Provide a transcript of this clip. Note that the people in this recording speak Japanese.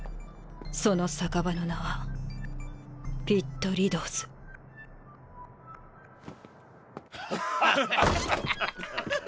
その酒場の名はピット・リドーズはっはははは！